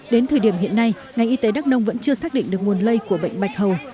đến thời điểm hiện nay ngành y tế đắk nông vẫn chưa xác định được nguồn lây của bệnh bạch hầu